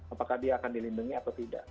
apakah dia akan dilindungi atau tidak